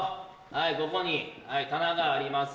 ここに棚があります。